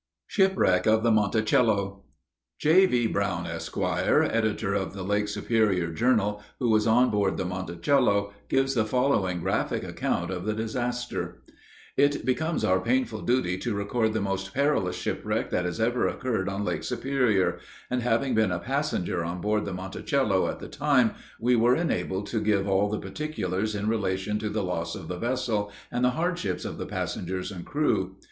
SHIPWRECK OF THE MONTICELLO. J.V. Brown, Esq., Editor of the Lake Superior Journal, who was on board the Monticello, gives the following graphic account of the disaster: It becomes our painful duty to record the most perilous shipwreck that has ever occurred on Lake Superior, and having been a passenger on board the Monticello at the time, we are enabled to give all the particulars in relation to the loss of the vessel, and the hardships of the passengers and crew.